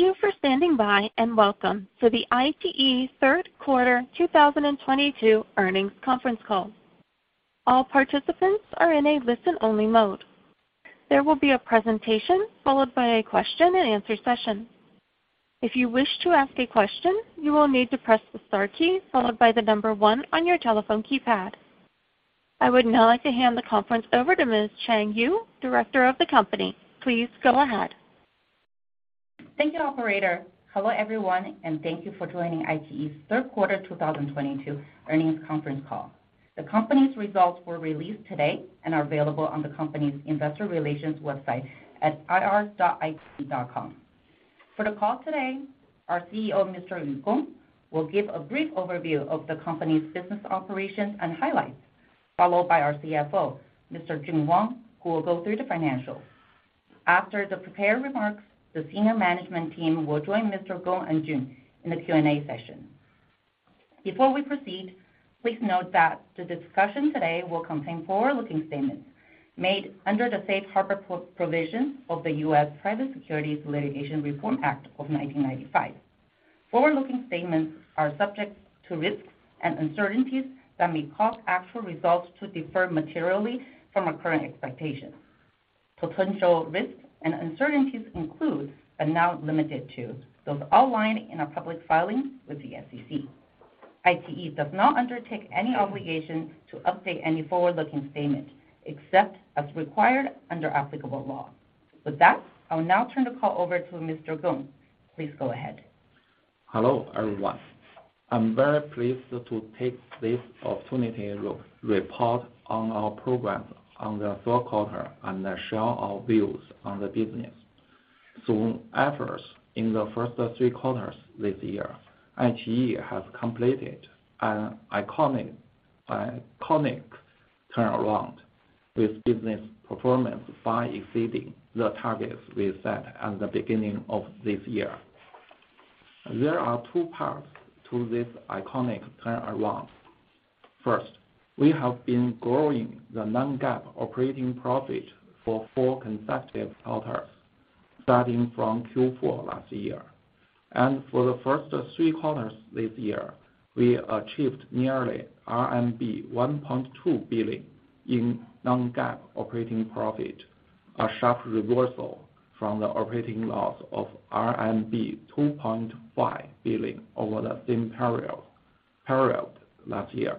Thank you for standing by, and welcome to the iQIYI third quarter 2022 earnings conference call. All participants are in a listen only mode. There will be a presentation followed by a question and answer session. If you wish to ask a question, you will need to press the star key followed by the number one on your telephone keypad. I would now like to hand the conference over to Ms. Chang Yu, Director of the company. Please go ahead. Thank you, operator. Hello everyone, and thank you for joining iQIYI's third quarter 2022 earnings conference call. The company's results were released today and are available on the company's investor relations website at ir.iqiyi.com. For the call today, our CEO, Mr. Yu Gong, will give a brief overview of the company's business operations and highlights, followed by our CFO, Mr. Jun Wang, who will go through the financials. After the prepared remarks, the senior management team will join Mr. Gong and Jun in the Q&A session. Before we proceed, please note that the discussion today will contain forward-looking statements made under the Safe Harbor Provisions of the U.S. Private Securities Litigation Reform Act of 1995. Forward-looking statements are subject to risks and uncertainties that may cause actual results to differ materially from our current expectations. Potential risks and uncertainties include, but not limited to, those outlined in our public filings with the SEC. iQIYI does not undertake any obligation to update any forward-looking statement, except as required under applicable law. With that, I will now turn the call over to Mr. Gong. Please go ahead. Hello, everyone. I'm very pleased to take this opportunity to report on our progress on the third quarter and share our views on the business. Efforts in the first three quarters this year, iQIYI has completed an iconic turnaround with business performance far exceeding the targets we set at the beginning of this year. There are two parts to this iconic turnaround. First, we have been growing the non-GAAP operating profit for four consecutive quarters, starting from Q4 last year. For the first three quarters this year, we achieved nearly RMB 1.2 billion in non-GAAP operating profit, a sharp reversal from the operating loss of RMB 2.5 billion over the same period last year.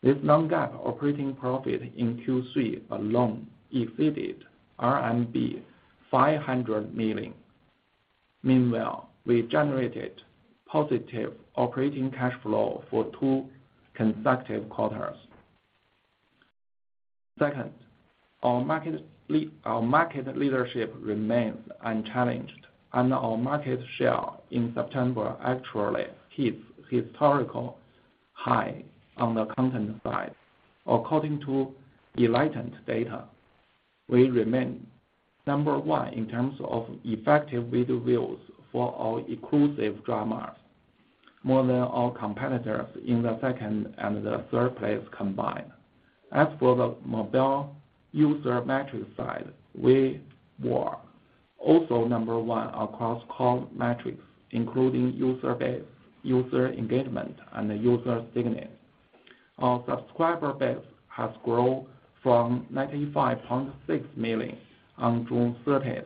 This non-GAAP operating profit in Q3 alone exceeded RMB 500 million. Meanwhile, we generated positive operating cash flow for two consecutive quarters. Second, our market leadership remains unchallenged, and our market share in September actually hit historical high on the content side. According to Enlightent data, we remain number one in terms of effective video views for our exclusive dramas, more than our competitors in the second and the third place combined. As for the mobile user metric side, we were also number one across core metrics, including user base, user engagement, and user signage. Our subscriber base has grown from 95.6 million on June 30th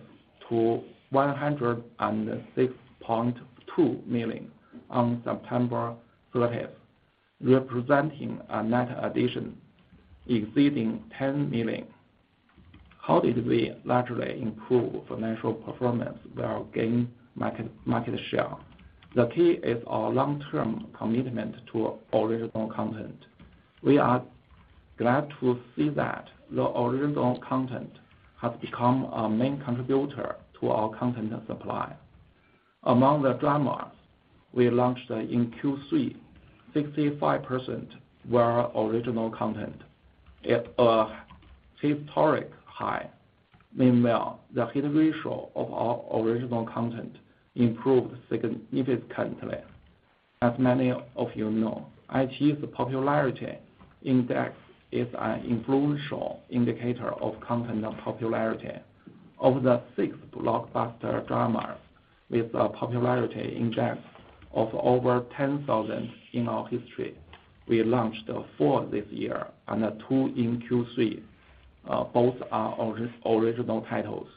to 106.2 million on September 30th, representing a net addition exceeding 10 million. How did we largely improve financial performance while gaining market share? The key is our long-term commitment to original content. We are glad to see that the original content has become a main contributor to our content supply. Among the dramas we launched in Q3, 65% were original content at a historic high. Meanwhile, the hit ratio of our original content improved significantly. As many of you know, iQIYI's popularity index is an influential indicator of content popularity. Of the six blockbuster dramas with a popularity index of over 10,000 in our history, we launched four this year and two in Q3. Both are original titles.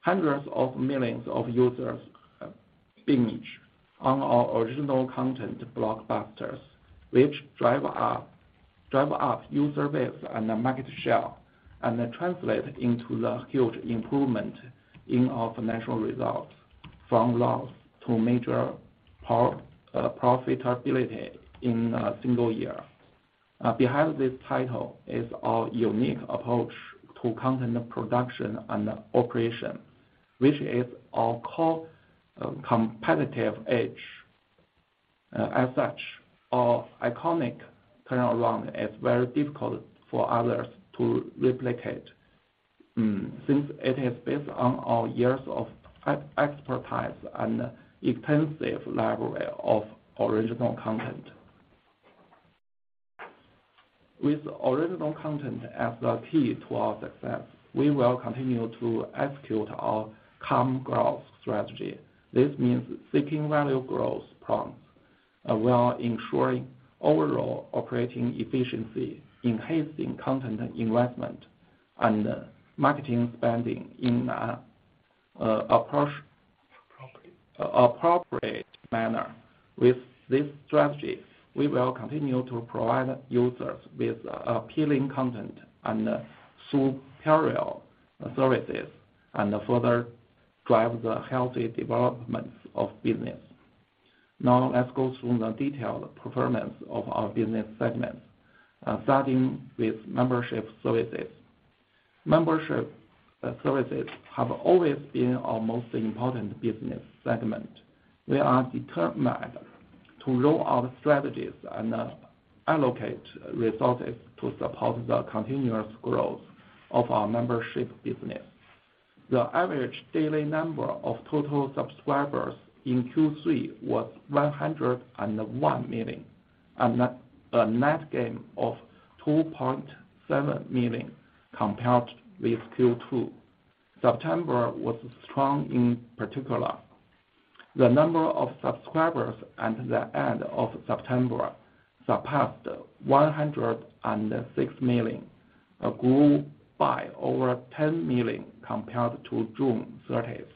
Hundreds of millions of users binge on our original content blockbusters, which drive up user base and market share, and that translate into the huge improvement in our financial results from loss to major profitability in a single year. Behind this title is our unique approach to content production and operation, which is our core competitive edge. As such, our iconic turnaround is very difficult for others to replicate, since it is based on our years of expertise and extensive library of original content. With original content as the key to our success, we will continue to execute our Calm Growth strategy. This means seeking value growth prompts while ensuring overall operating efficiency, enhancing content investment, and marketing spending. Appropriate. -appropriate manner. With this strategy, we will continue to provide users with appealing content and superior services, and further drive the healthy developments of business. Now, let's go through the detailed performance of our business segments, starting with membership services. Membership services have always been our most important business segment. We are determined to roll out strategies and allocate resources to support the continuous growth of our membership business. The average daily number of total subscribers in Q3 was 101 million. A net gain of 2.7 million compared with Q2. September was strong in particular. The number of subscribers at the end of September surpassed 106 million, grew by over 10 million compared to June 30th,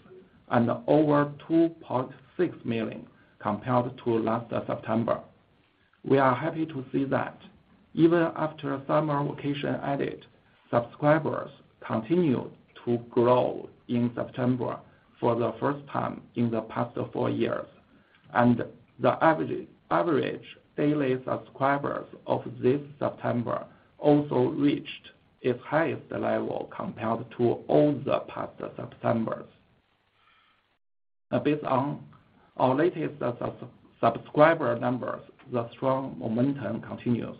and over 2.6 million compared to last September. We are happy to see that even after summer vacation ended, subscribers continued to grow in September for the first time in the past four years. The average daily subscribers of this September also reached its highest level compared to all the past Septembers. Based on our latest subscriber numbers, the strong momentum continues.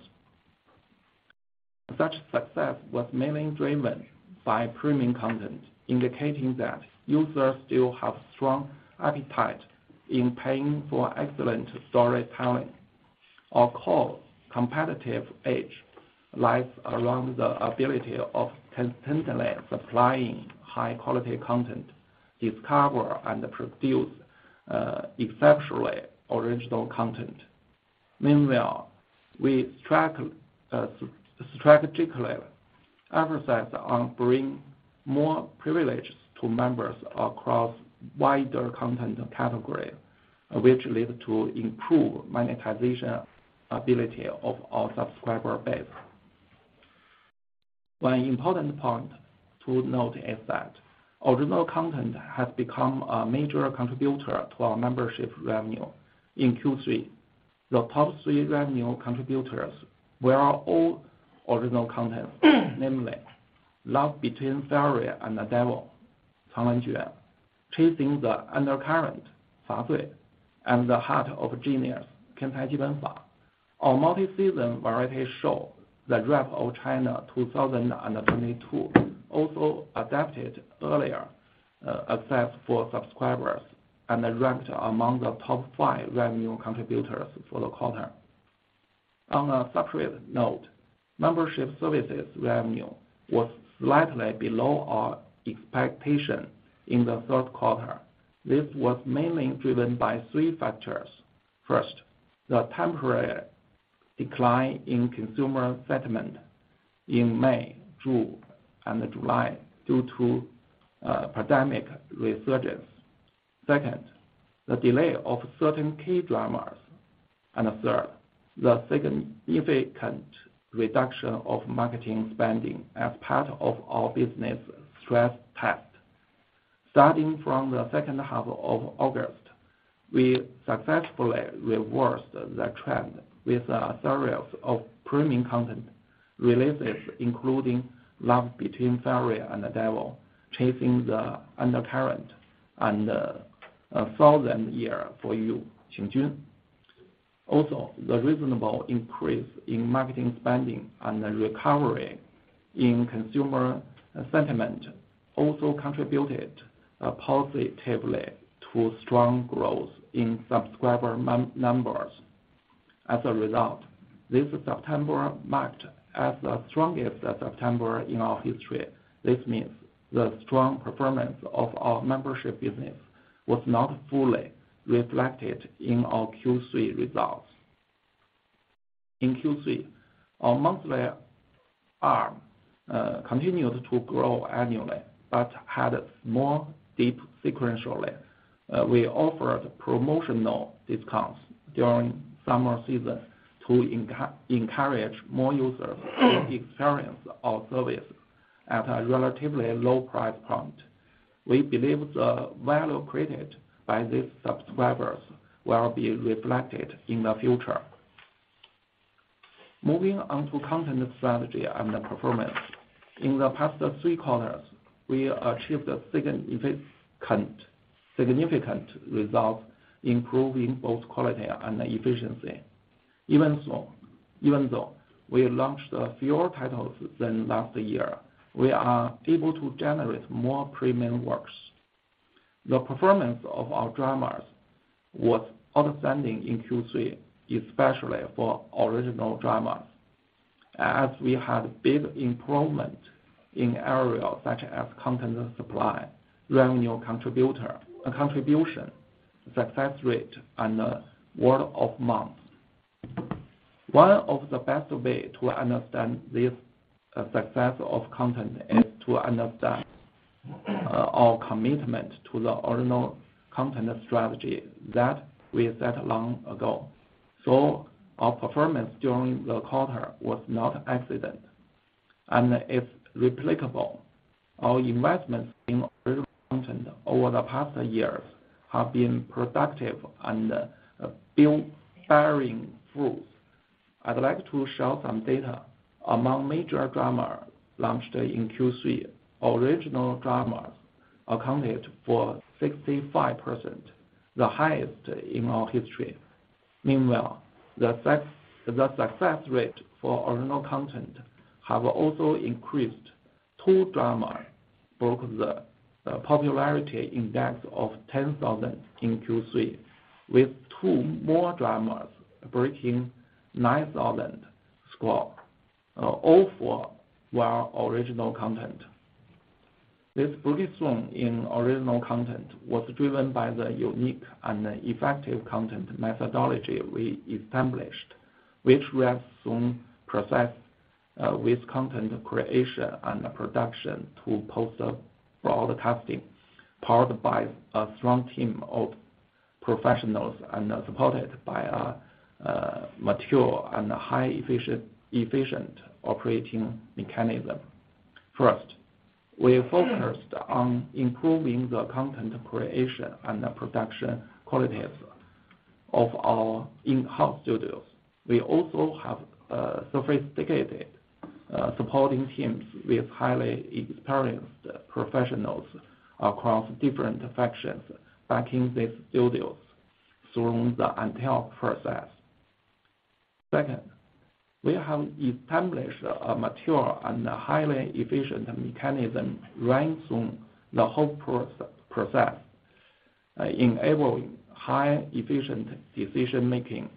Such success was mainly driven by premium content, indicating that users still have strong appetite in paying for excellent storytelling. Our core competitive edge lies around the ability of consistently supplying high quality content, discover and produce exceptional original content. Meanwhile, we track strategically emphasize on bringing more privileges to members across wider content category, which lead to improved monetization ability of our subscriber base. One important point to note is that original content has become a major contributor to our membership revenue. In Q3, the top three revenue contributors were all original content, namely, Love Between Fairy and Devil, Cang Lan Jue, Chasing the Undercurrent, Fa Zui, and The Heart of Genius, Tian Cai Ji Ben Fa. Our multi-season variety show, The Rap of China 2022, also adapted earlier access for subscribers, and ranked among the top five revenue contributors for the quarter. On a separate note, membership services revenue was slightly below our expectation in the third quarter. This was mainly driven by three factors. First, the temporary decline in consumer sentiment in May, June, and July due to pandemic resurgence. Second, the delay of certain key dramas. Third, the significant reduction of marketing spending as part of our business stress test. Starting from the second half of August, we successfully reversed the trend with a series of premium content releases, including Love Between Fairy and Devil, Chasing the Undercurrent, and Thousand Years for You, Qing Jun. The reasonable increase in marketing spending and the recovery in consumer sentiment also contributed positively to strong growth in subscriber numbers. This September marked as the strongest September in our history. This means the strong performance of our membership business was not fully reflected in our Q3 results. In Q3, our monthly ARM continued to grow annually, had a small dip sequentially. We offered promotional discounts during summer season to encourage more users to experience our service at a relatively low price point. We believe the value created by these subscribers will be reflected in the future. Moving on to content strategy and the performance. In the past three quarters, we achieved a significant result improving both quality and efficiency. Even though we launched fewer titles than last year, we are able to generate more premium works. The performance of our dramas was outstanding in Q3, especially for original dramas, as we had big improvement in areas such as content supply, revenue contribution, success rate, and word of mouth. One of the best way to understand this success of content is to understand our commitment to the original content strategy that we set long ago. Our performance during the quarter was not accident, and it's replicable. Our investments in original content over the past years have been productive and bearing fruit. I'd like to share some data. Among major drama launched in Q3, original dramas accounted for 65%, the highest in our history. Meanwhile, the success rate for original content have also increased. Two dramas broke the iQIYI popularity index of 10,000 in Q3, with two more dramas breaking 9,000 score. All four were original content. This breakthrough in original content was driven by the unique and effective content methodology we established, which we have soon processed with content creation and production to post for all the testing, powered by a strong team of professionals and supported by a mature and high efficient operating mechanism. First, we focused on improving the content creation and the production qualities of our in-house studios. We also have sophisticated supporting teams with highly experienced professionals across different functions backing these studios through the entire process. We have established a mature and highly efficient mechanism right from the whole process, enabling highly efficient decision-making,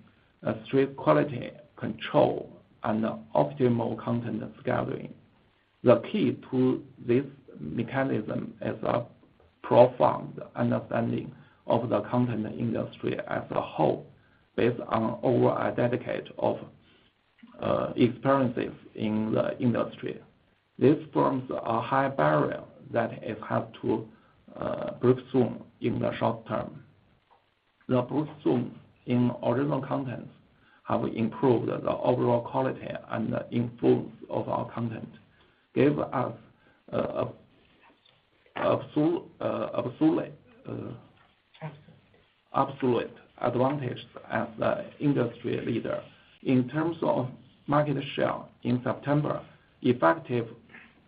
a strict quality control, and optimal content scheduling. The key to this mechanism is a profound understanding of the content industry as a whole, based on over a decade of experiences in the industry. This forms a high barrier that is hard to break through in the short term. The breakthrough in original content have improved the overall quality and influence of our content, gave us absolute advantage as the industry leader. In terms of market share in September, effective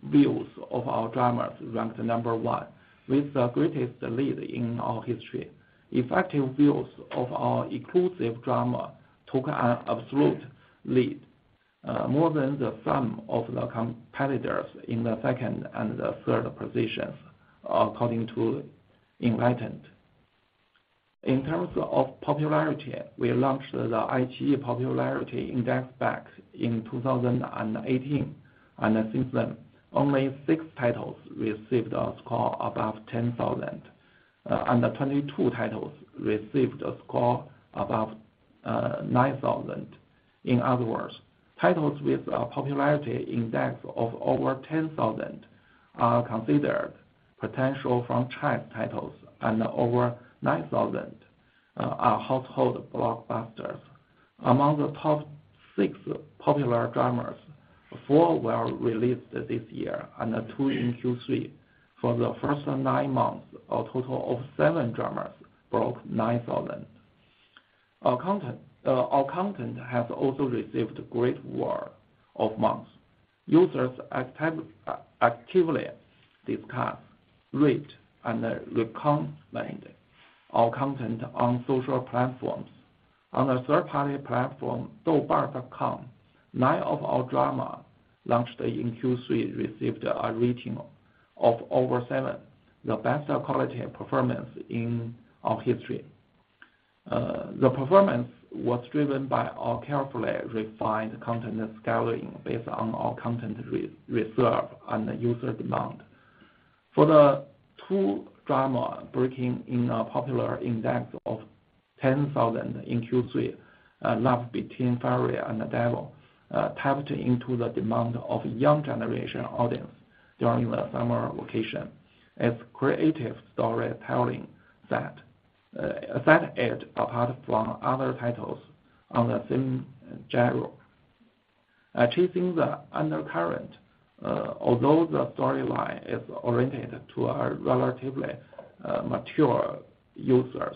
views of our dramas ranked number one, with the greatest lead in our history. Effective views of our exclusive drama took an absolute lead, more than the sum of the competitors in the second and the third positions according to Enlightent. In terms of popularity, we launched the iQIYI popularity index back in 2018, and since then, only six titles received a score above 10,000, and 22 titles received a score above 9,000. In other words, titles with a popularity index of over 10,000 are considered potential franchise titles, and over 9,000 are household blockbusters. Among the top six popular dramas, four were released this year, and two in Q3. For the first nine months, a total of seven dramas broke 9,000. Our content has also received great word of mouth. Users actively discuss, rate, and recommend our content on social platforms. On a third-party platform, Douban.com, nine of our drama launched in Q3 received a rating of over seven, the best quality performance in our history. The performance was driven by our carefully refined content scheduling based on our content reserve and user demand. For the two drama breaking in a popular index of 10,000 in Q3, Love Between Fairy and Devil tapped into the demand of young generation audience during the summer vacation. Its creative storytelling set it apart from other titles on the same genre. Chasing the Undercurrent, although the storyline is oriented to our relatively mature users,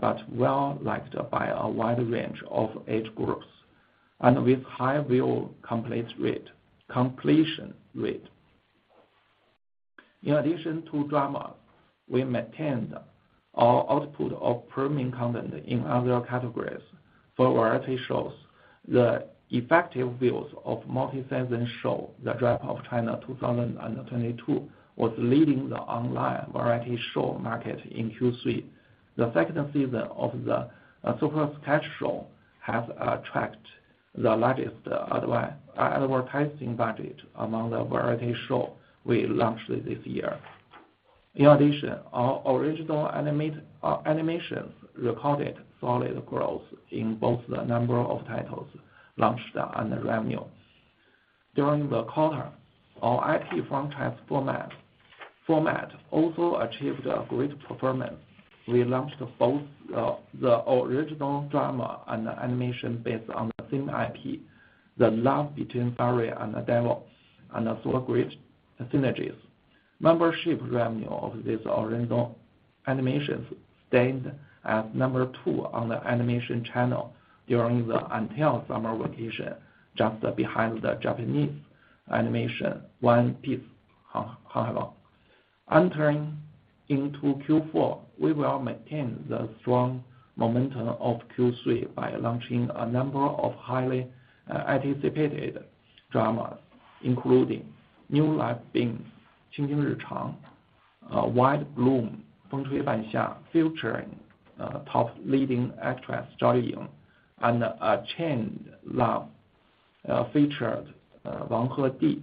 but well-liked by a wide range of age groups, and with high view completion rate. In addition to drama, we maintained our output of premium content in other categories. For variety shows, the effective views of multi-season show, The Rap of China 2022, was leading the online variety show market in Q3. The second season of the Super Sketch Show has attract the largest advertising budget among the variety show we launched this year. In addition, our original animations recorded solid growth in both the number of titles launched and the revenue. During the quarter, our IP franchise format also achieved a great performance. We launched both the original drama and animation based on the same IP, Love Between Fairy and Devil, and saw great synergies. Membership revenue of this original animations stayed at number two on the animation channel until summer vacation, just behind the Japanese animation, One Piece. Entering into Q4, we will maintain the strong momentum of Q3 by launching a number of highly anticipated dramas, including New Life Begins, Qing Qing Ri Chang, Wild Bloom, Feng Chui Ban Xia, featuring top leading actress, Zhao Liying, and Unchained Love, featured Dylan wang, Chen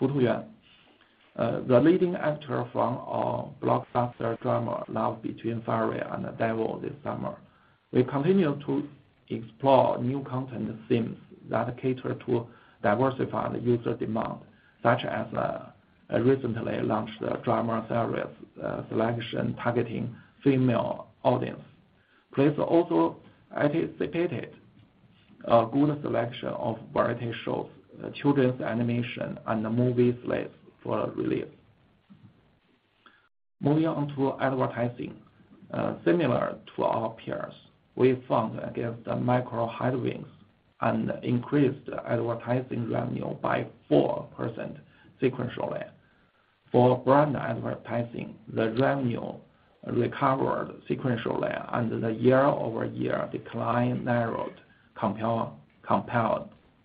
Yuqi. The leading actor from our blockbuster drama, Love Between Fairy and Devil this summer. We continue to explore new content themes that cater to diversified user demand, such as a recently launched drama series selection targeting female audience. Place also anticipated a good selection of variety shows, children's animation, and movie slates for release. Moving on to advertising. Similar to our peers, we fought against the macro headwinds and increased advertising revenue by 4% sequentially. For brand advertising, the revenue recovered sequentially, and the year-over-year decline narrowed compared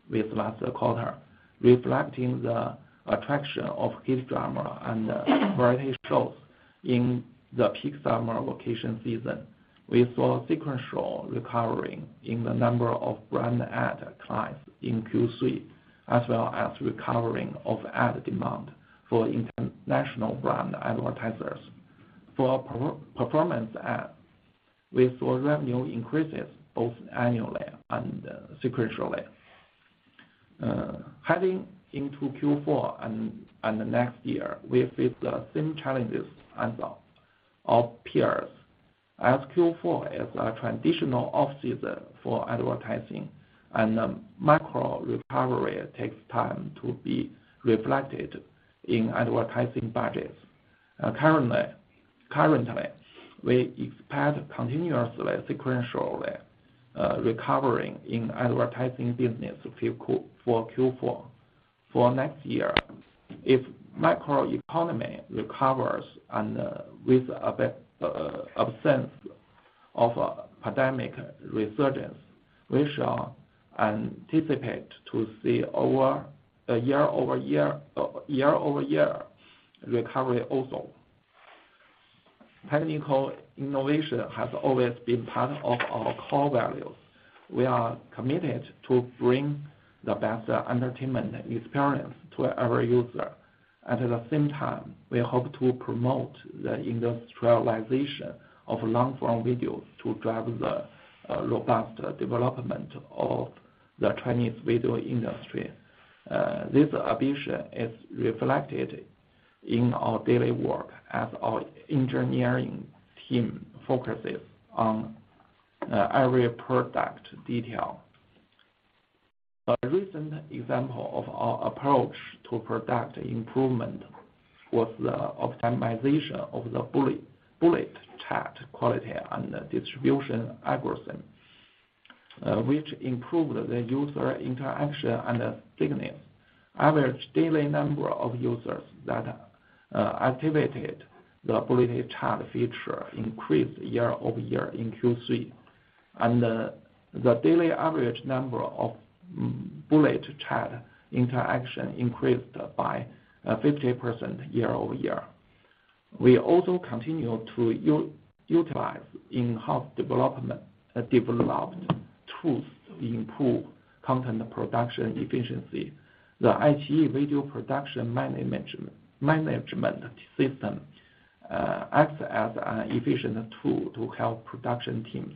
with last quarter, reflecting the attraction of hit drama and variety shows in the peak summer vacation season. We saw sequential recovering in the number of brand ad clients in Q3, as well as recovering of ad demand for international brand advertisers. For per-performance ads, we saw revenue increases both annually and sequentially. Heading into Q4 and next year, we face the same challenges as our peers. Q4 is a traditional off-season for advertising and macro recovery takes time to be reflected in advertising budgets. Currently, we expect continuously sequentially recovering in advertising business for Q4. For next year, if macro economy recovers and with a bit absence of a pandemic resurgence, we shall anticipate to see over a year-over-year recovery also. Technical innovation has always been part of our core values. We are committed to bring the best entertainment experience to our user. At the same time, we hope to promote the industrialization of long-form videos to drive the, robust development of the Chinese video industry. This ambition is reflected in our daily work as our engineering team focuses on, every product detail. A recent example of our approach to product improvement was the optimization of the bullet chat quality and the distribution algorithm, which improved the user interaction and stickiness. Average daily number of users that, activated the bullet chat feature increased year-over-year in Q3. The daily average number of bullet chat interaction increased by 50% year-over-year. We also continue to utilize in-house development, developed tools to improve content production efficiency. The iQIYI video production management system acts as an efficient tool to help production teams.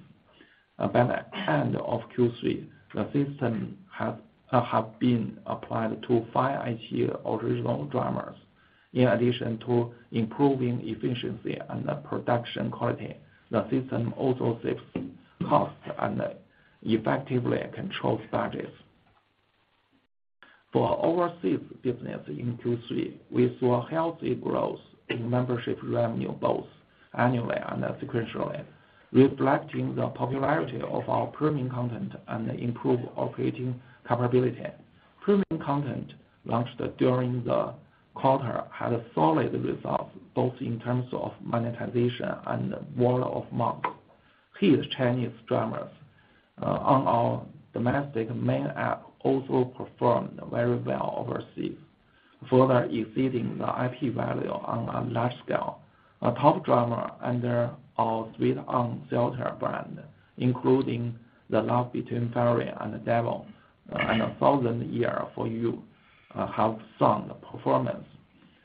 By the end of Q3, the system have been applied to five iQIYI original dramas. In addition to improving efficiency and production quality, the system also saves costs and effectively controls budgets. For overseas business in Q3, we saw healthy growth in membership revenue both annually and sequentially, reflecting the popularity of our premium content and improved operating capability. Premium content launched during the quarter had a solid result both in terms of monetization and word of mouth. Huge Chinese dramas on our domestic main app also performed very well overseas, further exceeding the IP value on a large scale. A top drama under our Sweet On Theater brand, including Love Between Fairy and Devil, and Thousand Years for You, have strong performance.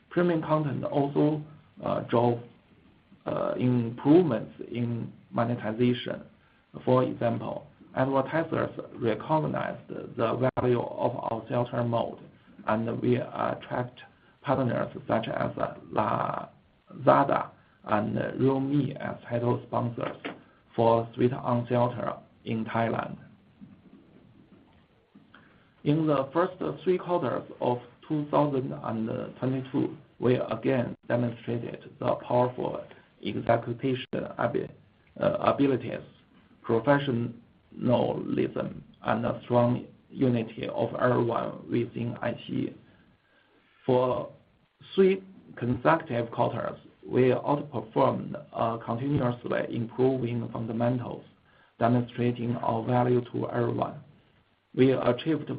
Premium content also drove improvements in monetization. For example, advertisers recognized the value of our theater mode, we attract partners such as Lazada and Realme as title sponsors for Sweet On Theater in Thailand. In the first three quarters of 2022, we again demonstrated the powerful execution abilities, professionalism, and a strong unity of everyone within iQIYI. For three consecutive quarters, we outperformed continuously improving fundamentals, demonstrating our value to everyone. We achieved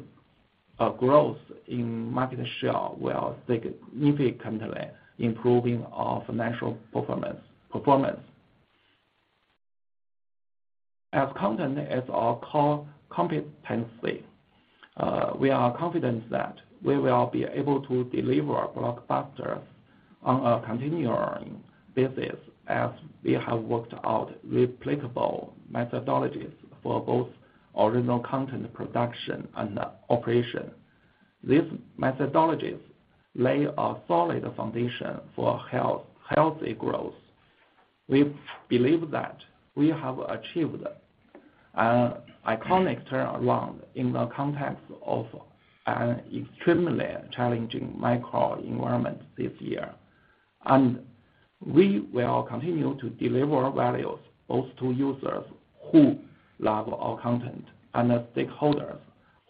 a growth in market share while significantly improving our financial performance. As content is our core competency, we are confident that we will be able to deliver blockbusters on a continuing basis as we have worked out replicable methodologies for both original content production and operation. These methodologies lay a solid foundation for healthy growth. We believe that we have achieved an iconic turnaround in the context of an extremely challenging macro environment this year. We will continue to deliver values both to users who love our content and as stakeholders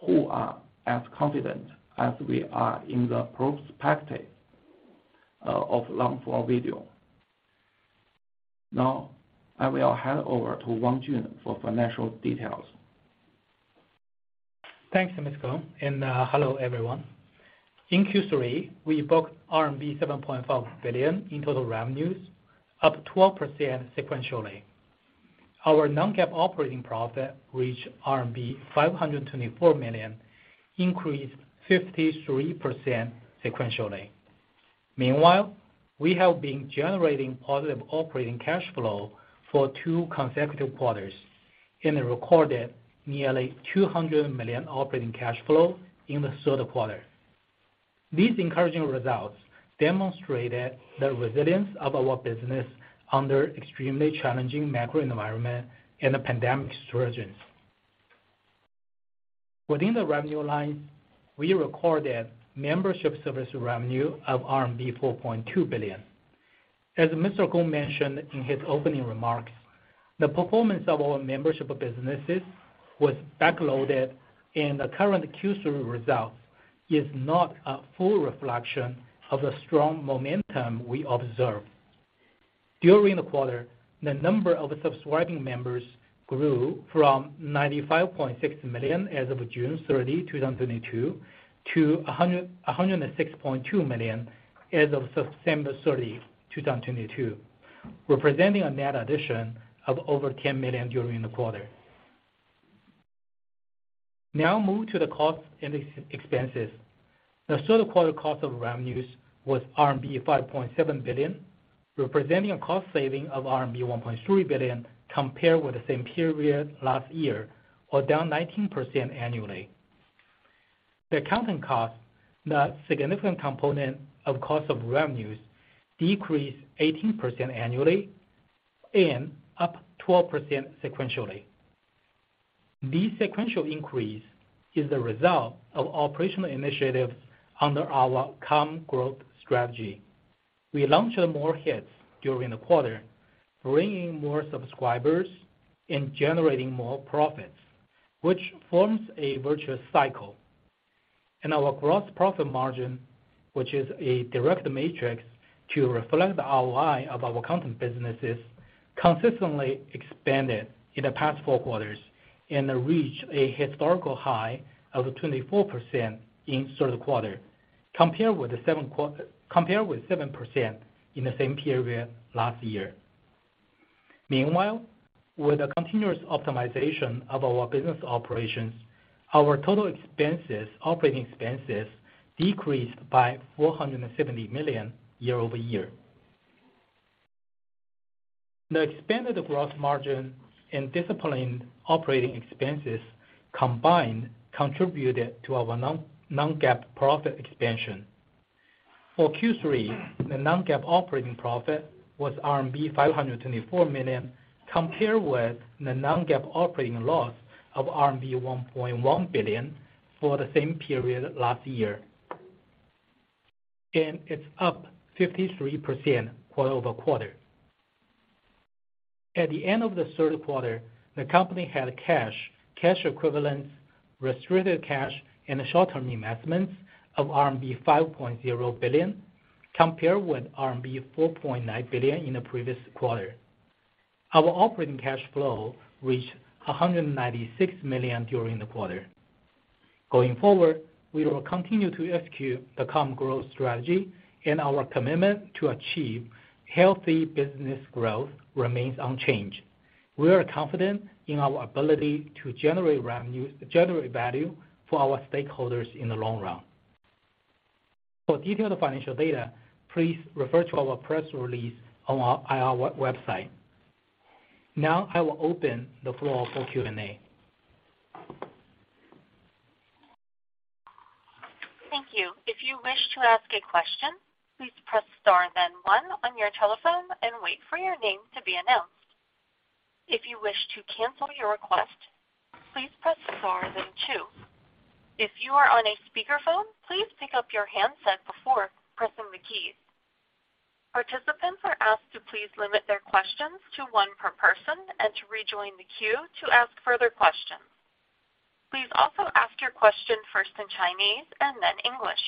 who are as confident as we are in the prospective of long form video. Now, I will hand over to Wang Jun for financial details. Thanks, Mr. Gong, and hello, everyone. In Q3, we booked RMB 7.5 billion in total revenues, up 12% sequentially. Our non-GAAP operating profit reached RMB 524 million, increased 53% sequentially. Meanwhile, we have been generating positive operating cash flow for 2 consecutive quarters and recorded nearly 200 million operating cash flow in the third quarter. These encouraging results demonstrated the resilience of our business under extremely challenging macro environment and the pandemic resurgence. Within the revenue line, we recorded membership service revenue of RMB 4.2 billion. As Mr. Gong mentioned in his opening remarks, the performance of our membership businesses was backloaded, and the current Q3 result is not a full reflection of the strong momentum we observed. During the quarter, the number of subscribing members grew from 95.6 million as of June 30, 2022, to 106.2 million as of September 30, 2022, representing a net addition of over 10 million during the quarter. move to the cost and ex-expenses. The third quarter cost of revenues was RMB 5.7 billion, representing a cost saving of RMB 1.3 billion compared with the same period last year or down 19% annually. The accounting cost, the significant component of cost of revenues, decreased 18% annually and up 12% sequentially. This sequential increase is the result of operational initiatives under our Calm Growth strategy. We launched more hits during the quarter, bringing more subscribers and generating more profits, which forms a virtuous cycle. Our gross profit margin, which is a direct metric to reflect the ROI of our content businesses, consistently expanded in the past four quarters and reached a historical high of 24% in third quarter compared with 7% in the same period last year. Meanwhile, with the continuous optimization of our business operations, our total expenses, operating expenses decreased by RMB 470 million year-over-year. The expanded gross margin and disciplined operating expenses combined contributed to our non-GAAP profit expansion. For Q3, the non-GAAP operating profit was RMB 524 million, compared with the non-GAAP operating loss of RMB 1.1 billion for the same period last year. It's up 53% quarter-over-quarter. At the end of the third quarter, the company had a cash equivalents, restricted cash and short-term investments of RMB 5.0 billion, compared with RMB 4.9 billion in the previous quarter. Our operating cash flow reached 196 million during the quarter. Going forward, we will continue to execute the Calm Growth strategy and our commitment to achieve healthy business growth remains unchanged. We are confident in our ability to generate value for our stakeholders in the long run. For detailed financial data, please refer to our press release on our IR website. Now I will open the floor for Q&A. Thank you. If you wish to ask a question, please press star then one on your telephone and wait for your name to be announced. If you wish to cancel your request, please press star then two. If you are on a speakerphone, please pick up your handset before pressing the keys. Participants are asked to please limit their questions to one per person and to rejoin the queue to ask further questions. Please also ask your question first in Chinese and then English.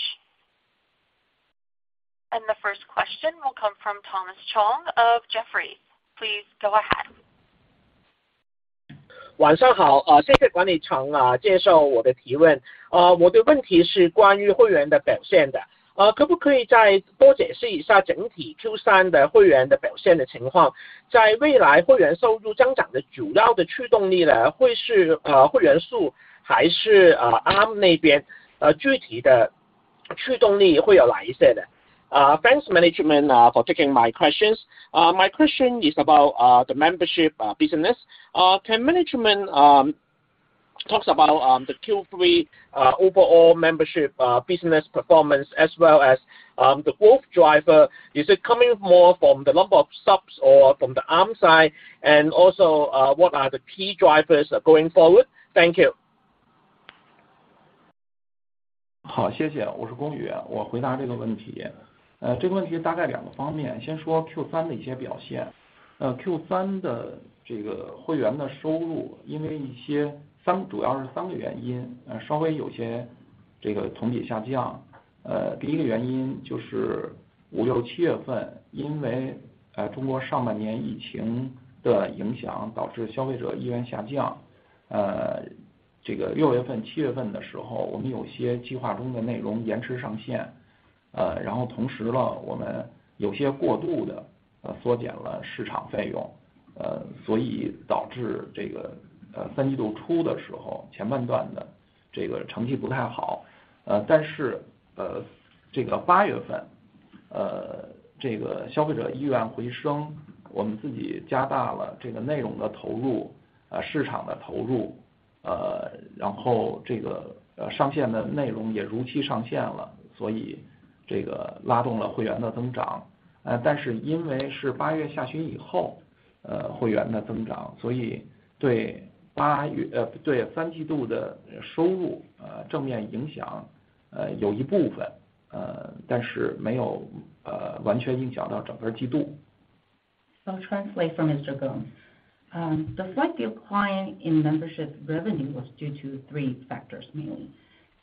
The first question will come from Thomas Chong of Jefferies. Please go ahead. 晚上 好， 谢谢管理层接受我的提问。我的问题是关于会员的表现 的， 可不可以再多解释一下整体 Q3 的会员的表现的情况。在未来会员收入增长的主要的驱动力 呢， 会是会员数还是 ARM 那 边， 具体的驱动力会有哪些 的？ Thanks management, for taking my questions. My question is about the membership business. Can management talks about the Q3 overall membership business performance as well as the growth driver? Is it coming more from the number of subs or from the ARM side? What are the key drivers going forward? Thank you. 好， 谢 谢， 我是龚 宇， 我回答这个问题。这个问题大概两个方 面， 先说 Q3 的一些表现。Q3 的这个会员的收 入， 因为一 些... 3， 主要是3个原 因， 稍微有些这个总体下降。第一个原因就是 5、6、7月 份， 因为中国上半年疫情的影响导致消费者意愿下 降， 这个 6月 份 7月 份的时候我们有些计划中的内容延迟上 线， 然后同时呢我们有些过度地缩减了市场费 用， 所以导致这个 Q3 初的时 候， 前半段的这个成绩不太好。这个 8月 份， 这个消费者意愿回 升， 我们自己加大了这个内容的投 入， 市场的投 入， 然后这个上线的内容也如期上线 了， 所以这个拉动了会员的增长。因为是 8月 下旬以 后， 会员的增 长， 所以对 8月， 对 Q3 的收 入， 正面影 响， 有一部 分， 但是没有完全影响到整个季度。I'll translate for Mr. Gong. The slight decline in membership revenue was due to three factors mainly.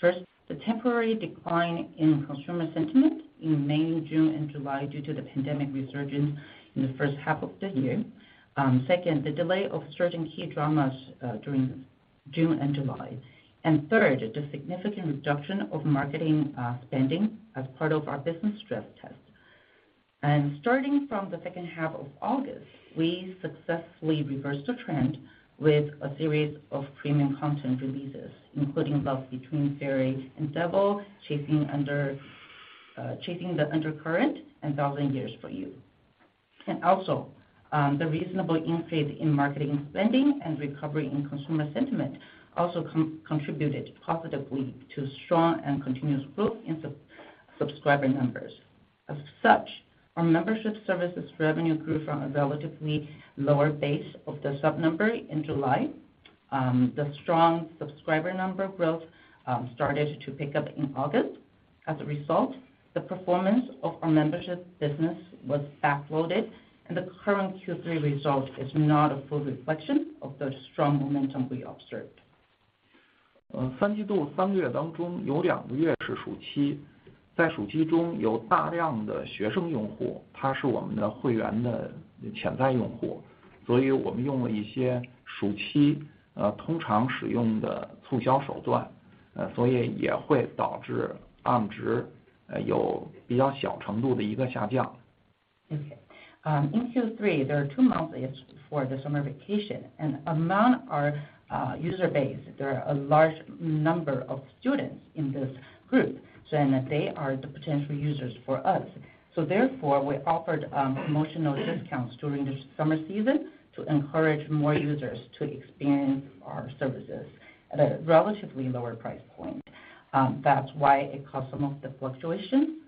First, the temporary decline in consumer sentiment in May, June and July due to the pandemic resurgence in the first half of the year. Second, the delay of certain key dramas during June and July. Third, the significant reduction of marketing spending as part of our business stress test. Starting from the second half of August, we successfully reversed the trend with a series of premium content releases, including Love Between Fairy and Devil, Chasing the Undercurrent, and Thousand Years for You. Also, the reasonable increase in marketing spending and recovery in consumer sentiment also contributed positively to strong and continuous growth in subscriber numbers. Our membership services revenue grew from a relatively lower base of the sub number in July. The strong subscriber number growth started to pick up in August. The performance of our membership business was backloaded and the current Q3 result is not a full reflection of the strong momentum we observed. 呃， 三季度三个月当中有两个月是暑 期， 在暑期中有大量的学生用 户， 他是我们的会员的潜在用 户， 所以我们用了一些暑 期， 呃， 通常使用的促销手 段， 呃， 所以也会导致 ARM 值， 呃， 有比较小程度的一个下降。Okay. In Q3, there are two months is for the summer vacation, and among our user base, there are a large number of students in this group, they are the potential users for us. We offered promotional discounts during the summer season to encourage more users to experience our services at a relatively lower price point. That's why it caused some of the fluctuation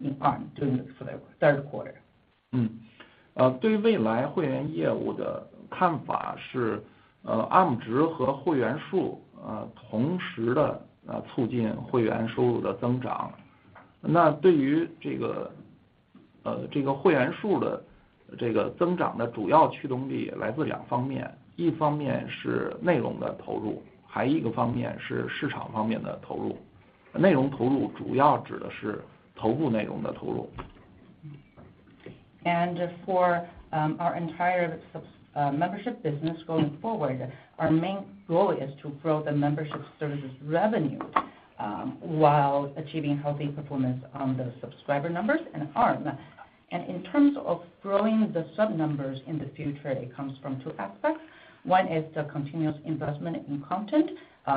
in ARM for the third quarter. 对于未来会员业务的看法 是， ARM 值和会员 数， 同时 的， 促进会员收入的增长。对于这个会员数的增长的主要驱动力来自两方 面， 一方面是内容的投 入， 还有一个方面是市场方面的投入。内容投入主要指的是头部内容的投入。For our entire sub-membership business going forward. Our main goal is to grow the membership services revenue, while achieving healthy performance on the subscriber numbers and ARM. In terms of growing the sub numbers in the future, it comes from two aspects. One is the continuous investment in content,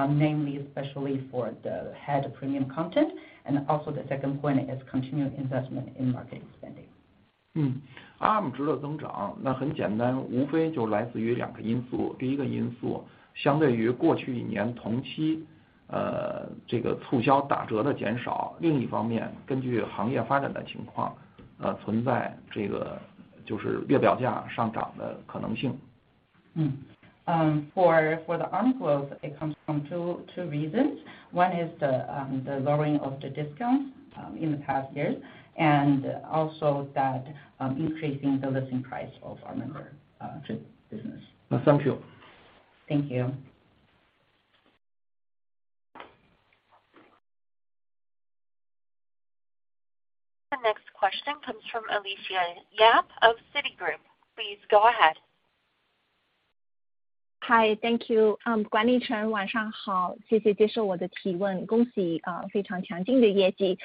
namely especially for the head premium content, and also the second point is continuing investment in market spending. 嗯 ARM 值的增 长， 那很简 单， 无非就来自于两个因 素， 第一个因素相对于过去一年同 期， 呃这个促销打折的减少。另一方 面， 根据行业发展的情 况， 呃存在这个就是月票价上涨的可能性。For the ARM growth, it comes from two reasons. One is the lowering of the discounts in the past years, and also that increasing the listing price of our member to business. Thank you. Thank you. The next question comes from Alicia Yap of Citigroup. Please go ahead. Hi, thank you. 管理层晚上 好，谢谢 接受我的 提问. 恭喜！非常 强劲的 业绩.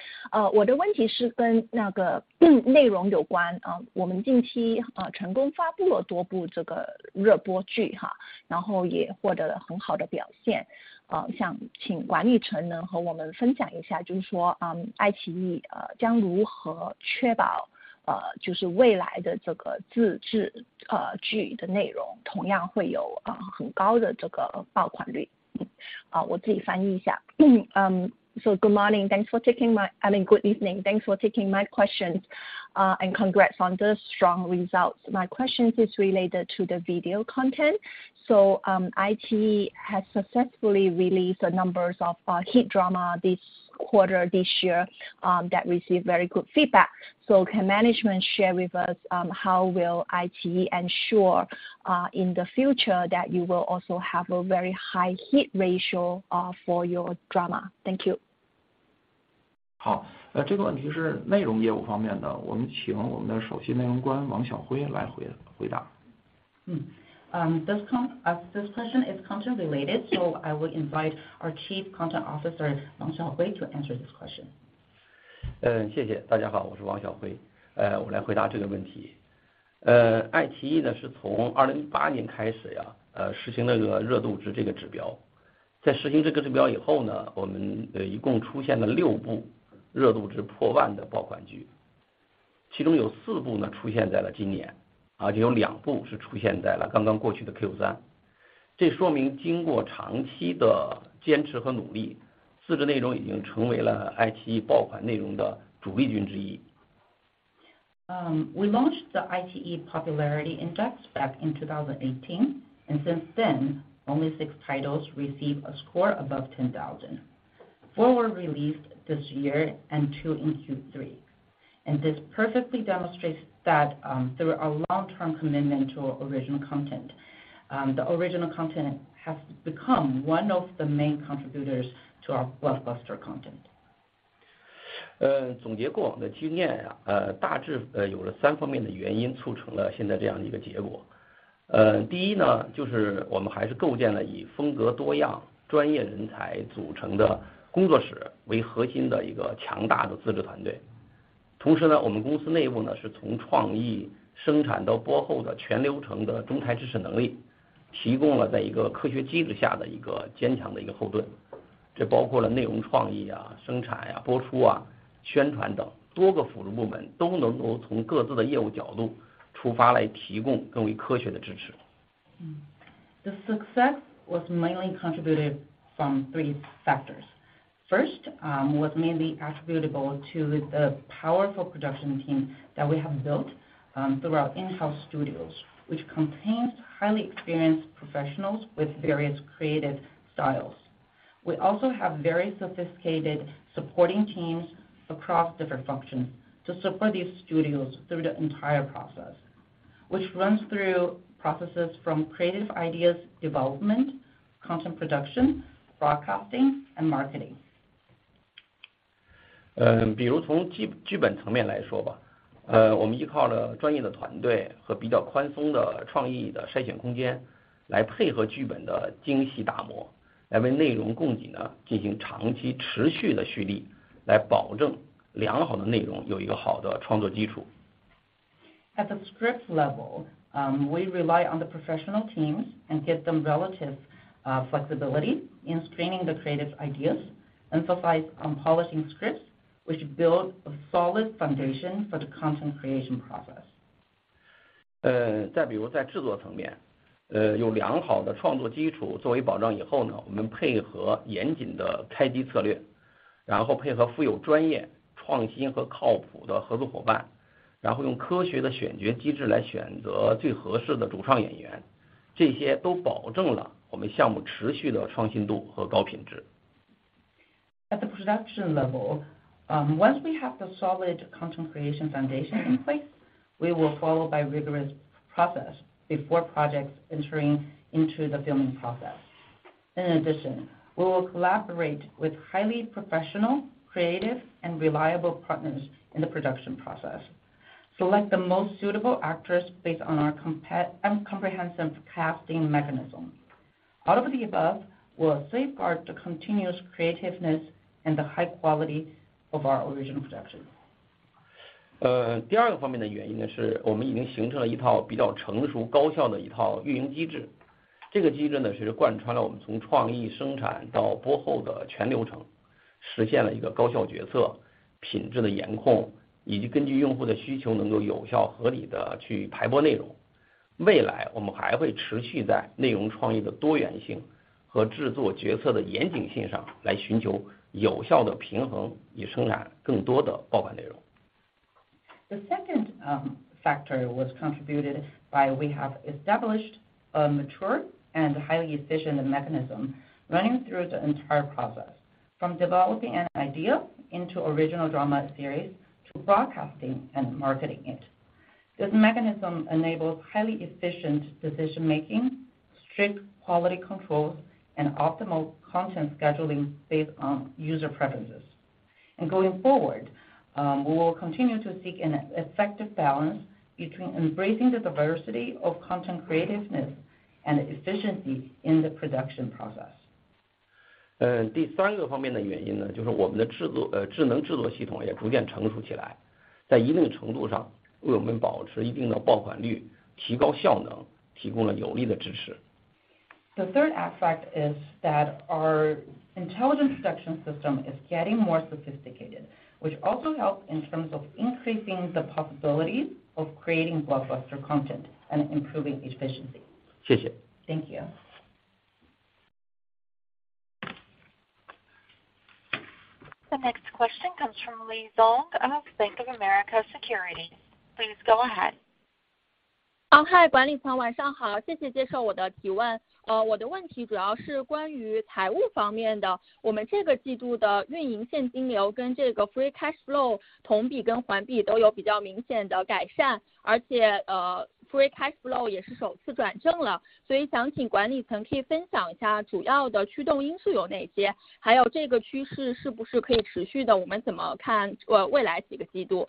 我的问题是跟那个内容 有关，我们 近期成功发布了多部这个 热播剧，然后 也获得了很好的 表现. 想请管理层能和我们分享 一下，就是 说 iQIYI 将如何确保就是未来的这个自制剧的内容同样会有很高的这个 爆款率. 好我自己翻译 一下. Good morning, thanks for taking my...I mean good evening, thanks for taking my question. Congrats on the strong results. My question is related to the video content. iQIYI has successfully released a number of hit drama this quarter this year, that received very good feedback. Can management share with us, how will iQIYI ensure in the future that you will also have a very high hit ratio for your drama? Thank you. 好， 这个问题是内容业务方面 的， 我们请我们的首席内容官王晓晖来回回答。This question is content related. I will invite our Chief Content Officer, Xiaohui Wang to answer this question. 谢谢。大家 好， 我是 Xiaohui Wang。我来回答这个问题。iQIYI 是从2018开始实行那个热度值这个指标。在实行这个指标以 后， 我们一共出现了6部热度值破万的爆款 剧， 其中有4部出现在了今年，而就有2部是出现在了刚刚过去的 Q3。这说明经过长期的坚持和努 力， 自制内容已经成为了 iQIYI 爆款内容的主力军之一。We launched the iQIYI popularity index back in 2018. Since then, only six titles received a score above 10,000. Four were released this year and two in Q3. This perfectly demonstrates that through a long term commitment to original content, the original content has become one of the main contributors to our blockbuster content. 呃总结过往的经验 呀， 呃大致呃有了三方面的原 因， 促成了现在这样一个结果。呃第一 呢， 就是我们还是构建了以风格多样、专业人才组成的工作室为核心的一个强大的自制团队。同时 呢， 我们公司内部 呢， 是从创意生产到播后的全流程的终台支持能 力， 提供了在一个科学机制下的一个坚强的一个后 盾， 这包括了内容创意啊、生产呀、播出啊、宣传等多个辅助部门都能够从各自的业务角度出 发， 来提供更为科学的支持。The success was mainly contributed from three factors. First, was mainly attributable to the powerful production team that we have built, through our in-house studios, which contains highly experienced professionals with various creative styles. We also have very sophisticated supporting teams across different functions to support these studios through the entire process, which runs through processes from creative ideas development, content production, broadcasting and marketing. 比如从剧本层面来说 吧， 我们依靠了专业的团队和比较宽松的创意的筛选空间来配合剧本的精细打 磨， 来为内容供给呢进行长期持续的蓄 力， 来保证良好的内 容， 有一个好的创作基础。At the script level, we rely on the professional teams and give them relative flexibility in screening the creative ideas emphasized on polishing scripts, which build a solid foundation for the content creation process. 比如在制作层 面， 有良好的创作基础作为保障以后 呢， 我们配合严谨的开机策 略， 然后配合富有专业、创新和靠谱的合作伙 伴， 然后用科学的选角机制来选择最合适的主创演员这些都保证了我们项目持续的创新度和高品质。At the production level, once we have the solid content creation foundation in place, we will follow by rigorous process before projects entering into the filming process. We will collaborate with highly professional, creative and reliable partners in the production process. Select the most suitable actors based on our comprehensive casting mechanism. All of the above will safeguard the continuous creativeness and the high quality of our original production. 第二个方面的原因 呢， 是我们已经形成了一套比较成熟高效的一套运营机制。这个机制 呢， 其实贯穿了我们从创意生产到播后的全流 程， 实现了一个高效决策、品质的严 控， 以及根据用户的需求能够有效合理的去排播内容。未来我们还会持续在内容创意的多元性和制作决策的严谨性上来寻求有效的平 衡， 以生产更多的爆款内容。The second factor was contributed by we have established a mature and highly efficient mechanism running through the entire process, from developing an idea into original drama series to broadcasting and marketing it. This mechanism enables highly efficient decision making, strict quality control, and optimal content scheduling based on user preferences. Going forward, we will continue to seek an effective balance between embracing the diversity of content creativeness and efficiency in the production process. 呃第三个方面的原因 呢， 就是我们的制作--呃智能制作系统也逐渐成熟起 来， 在一定程度上为我们保持一定的爆款 率， 提高效能提供了有力的支持。The third aspect is that our intelligence production system is getting more sophisticated, which also helps in terms of increasing the possibilities of creating blockbuster content and improving efficiency. 谢谢。Thank you. The next question comes from Lei Zhang of Bank of America Securities. Please go ahead. 嗨管理层晚上 好，谢谢 接受我的提问。我的问题主要是关于财务方面的。我们这个季度的运营现金流跟这个 free cash flow 同比跟环比都有比较明显的 改善，而且 free cash flow 也是首次转正 了，所以 想请管理层可以分享一下主要的驱动因素有 哪些，还有 这个趋势是不是可以持续 的，我们 怎么看未来几个 季度？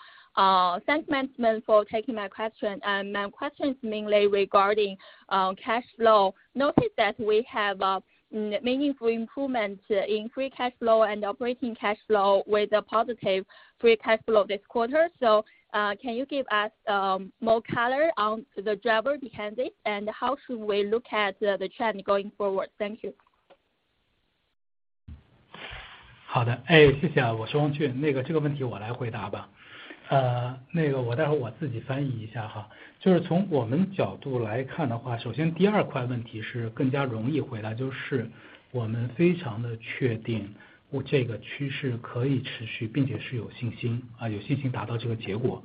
Thanks management for taking my question, and my question is mainly regarding, cash flow. Noticed that we have a meaningful improvement in free cash flow and operating cash flow with a positive free cash flow this quarter. Can you give us more color on the driver behind this, and how should we look at the trend going forward? Thank you. 好的。谢谢。我是 Jun Wang。这个问题我来回答吧。我待会我自己翻译一下。就是从我们角度来看的 话， 首先第2块问题是更加容易回 答， 就是我们非常的确定这个趋势可以持 续， 并且是有信 心， 有信心达到这个结果。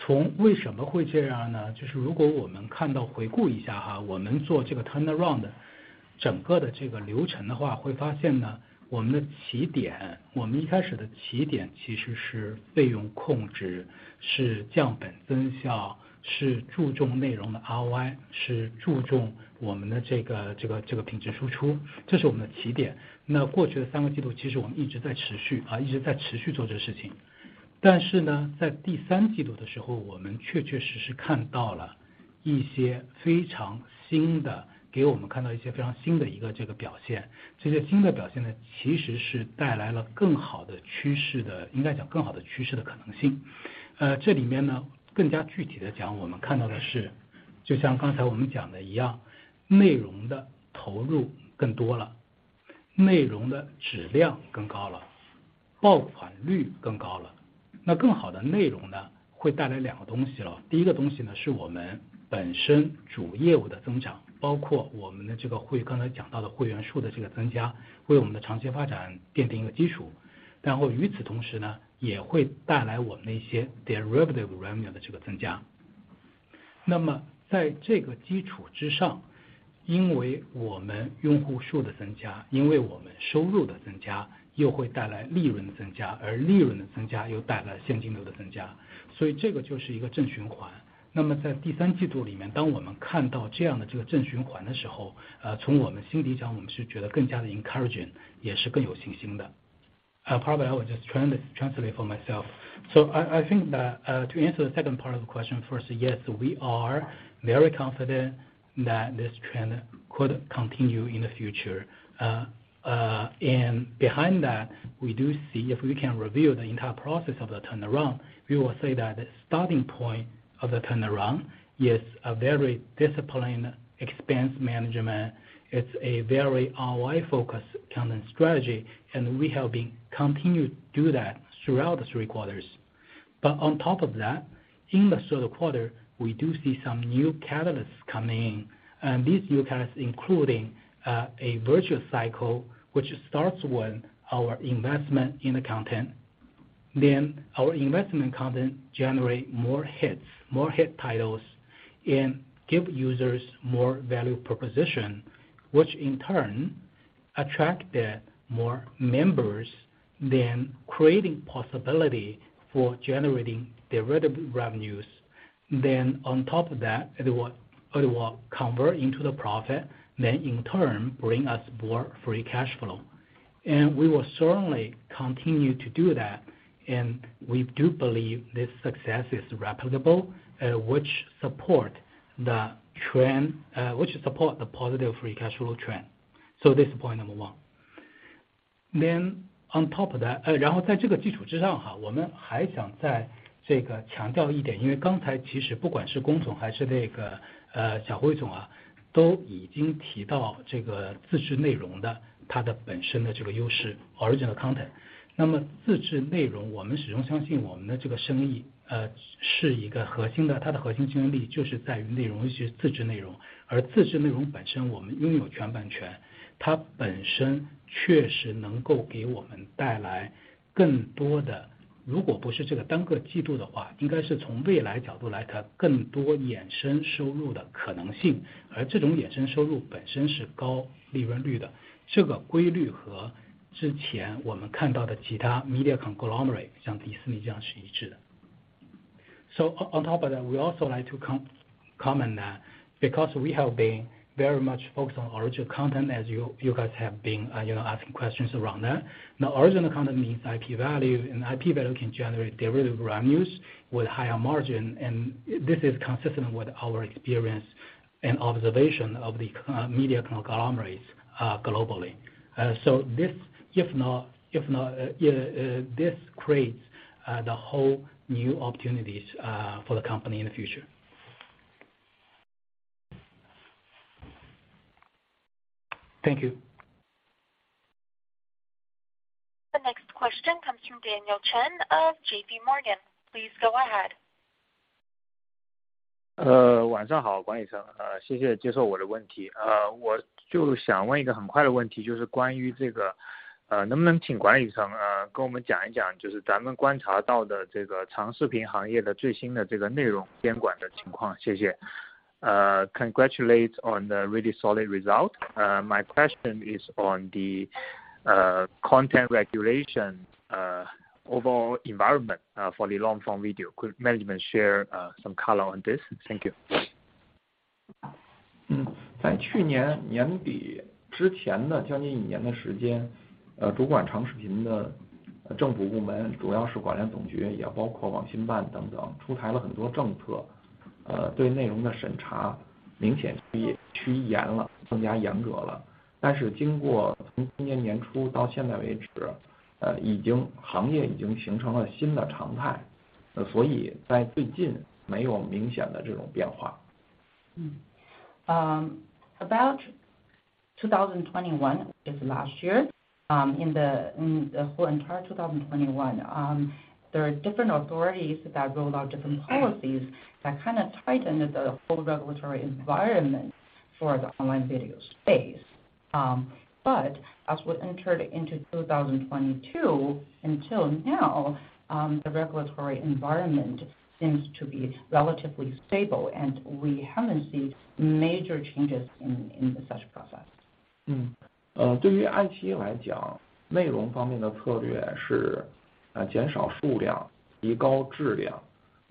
从为什么会这样 呢？ 就是如果我们看到回顾一 下， 我们做这个 turnaround 整个的这个流程的 话， 会发现呢，我们的起 点， 我们一开始的起点其实是费用控 制， 是降本增 效， 是注重内容的 ROI， 是注重我们的这个品质输 出， 这是我们的起点。过去的3个季 度， 其实我们一直在持 续， 一直在持续做这事情。在第3季度的时 候， 我们确确实实看到了一些非常新的，给我们看到一些非常新的一个这个表 现， 这些新的表现 呢， 其实是带来了更好的趋势 的， 应该讲更好的趋势的可能性。这里面 呢， 更加具体地 讲， 我们看到的是就像刚才我们讲的一 样， 内容的投入更多 了， 内容的质量更高 了， 爆款率更高了。更好的内容 呢， 会带来2个东西。第1个东西 呢， 是我们本身主业务的增长，包括我们的这个会刚才讲到的会员数的这个增 加， 为我们的长期发展奠定一个基础。与此同时 呢， 也会带来我们的一些 derivative revenue 的这个增加。在这个基础之 上， 因为我们用户数的增 加， 因为我们收入的增加又会带来利润的增 加， 而利润的增加又带来现金流的增 加， 所以这个就是一个正循环。在第3季度里 面， 当我们看到这样的这个正循环的时 候， 从我们心里 讲， 我们是觉得更加 encouraging， 也是更有信心的。Probably I will just trying to translate for myself. I think that to answer the second part of the question first, yes, we are very confident that this trend could continue in the future. Behind that, we do see if we can review the entire process of the turnaround, we will say that the starting point of the turnaround is a very disciplined expense management. It's a very ROI-focused content strategy, and we have been continued to do that throughout the three quarters. On top of that, in the third quarter, we do see some new catalysts coming in, and these new catalysts, including a virtual cycle, which starts when our investment in the content then our investment content generate more hits, more hit titles and give users more value proposition, which in turn attract the more members, then creating possibility for generating derivative revenues. On top of that, it will convert into the profit, then in turn bring us more free cash flow. We will certainly continue to do that, and we do believe this success is replicable, which support the trend, which support the positive free cash flow trend. This is point number one. On top of that. On top of that, we also like to comment that because we have been very much focused on original content as you guys have been, you know, asking questions around that. original content means IP value, and IP value can generate derivative revenues with higher margin, and this is consistent with our experience and observation of the media conglomerates globally. this, if not, this creates the whole new opportunities for the company in the future. Thank you. The next question comes from Daniel Chen of JPMorgan. Please go ahead. 晚上 好， Xueqing Zhang， 谢谢接受我的问题。我就想问一个很快的问 题， 就是关于这 个， 能不能请 Xueqing Zhang， 跟我们讲一 讲， 就是咱们观察到的这个长视频行业的最新的这个内容监管的情况。谢谢。Congratulate on the really solid result. My question is on the content regulation, overall environment, for the long form video. Could management share some color on this? Thank you. 在去年年底之前的将近1年的时 间， 主管长视频的政府部 门， 主要是广电总 局， 也包括网信办等 等， 出台了很多政 策， 对内容的审查明显趋严 了， 更加严格了。经过从今年年初到现在为 止， 行业已经形成了新的常 态， 所以在最近没有明显的这种变化。About 2021 is last year, in the, in the whole entire 2021, there are different authorities that rolled out different policies that kind of tightened the whole regulatory environment for the online video space. As we entered into 2022 until now, the regulatory environment seems to be relatively stable and we haven't seen major changes in such process. 对于 iQIYI 来 讲, 内容方面的策略是减少数 量, 提高质 量.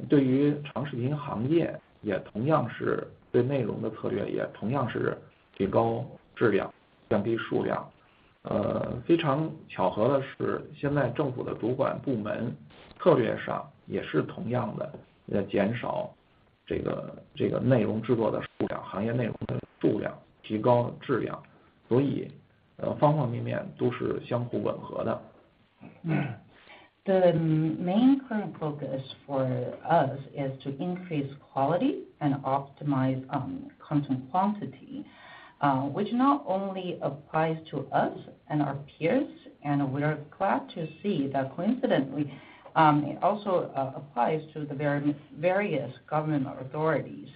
对于长视频行业也同样 是, 对内容的策略也同样是提高质 量, 降低数 量. 非常巧合的 是, 现在政府的主管部门策略上也是同样 的, 减少这 个, 这个内容制作的数 量, 行业内容的数 量, 提高质 量, 所 以, 方方面面都是相互吻合 的. The main current focus for us is to increase quality and optimize content quantity, which not only applies to us and our peers. We are glad to see that coincidentally, it also applies to the various government authorities.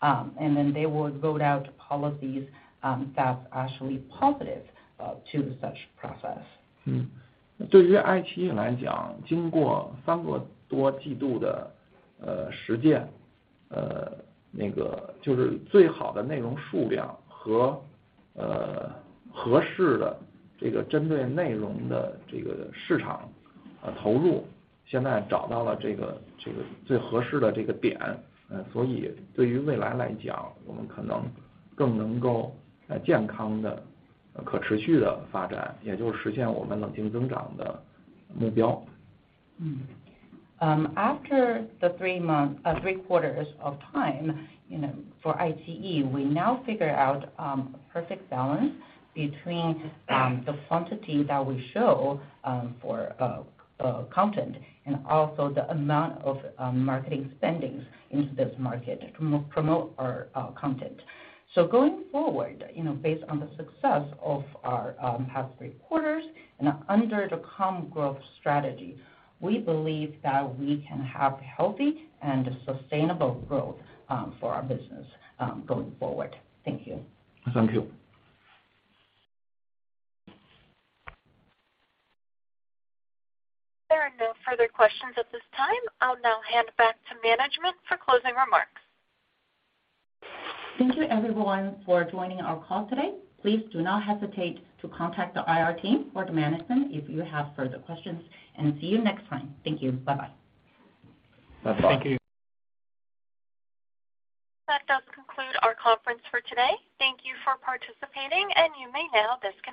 They would roll out policies that actually positive to such process. 对于 iQIYI 来 讲， 经过 3+ quarters 的实 践， 那个就是最好的内容数量和合适的这个针对内容的这个市场投 入， 现在找到了这 个， 这个最合适的这个 点， 所以对于未来来 讲， 我们可能更能够健康地可持续地发 展， 也就是实现我们 Calm Growth strategy 的目标。After the three month, three quarters of time, for iQIYI, we now figure out perfect balance between the quantity that we show for content and also the amount of marketing spendings into this market to promote our content. Going forward, based on the success of our past three quarters and under the Calm Growth strategy, we believe that we can have healthy and sustainable growth for our business going forward. Thank you. Thank you. There are no further questions at this time. I'll now hand back to management for closing remarks. Thank you everyone for joining our call today. Please do not hesitate to contact the IR team or the management if you have further questions. See you next time. Thank you. Bye bye. Bye bye. Thank you. That does conclude our conference for today. Thank you for participating and you may now disconnect.